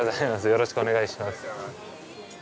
よろしくお願いします。